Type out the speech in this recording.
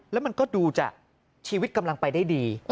แล้วมันก็ดูจะชีวิตกำลังไปได้ดี